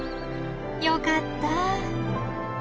よかった！